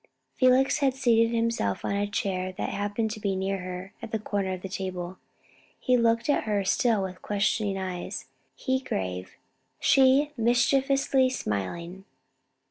Felix had seated himself on a chair that happened to be near her, at the corner of the table. He looked at her still with questioning eyes he grave, she mischievously smiling.